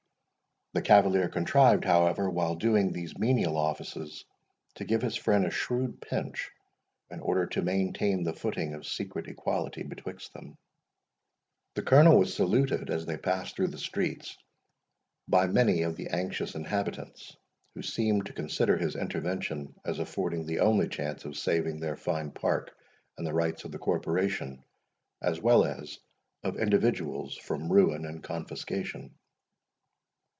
The cavalier contrived, however, while doing him these menial offices, to give his friend a shrewd pinch, in order to maintain the footing of secret equality betwixt them. The Colonel was saluted, as they passed through the streets, by many of the anxious inhabitants, who seemed to consider his intervention as affording the only chance of saving their fine Park, and the rights of the corporation, as well as of individuals, from ruin and confiscation.